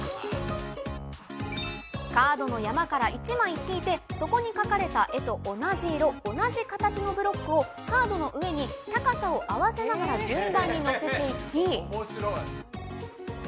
カードの山から１枚引いて、そこに描かれた絵と同じ色、同じ形のブロックをカードの上に高さを合わせながら順番に載せていき。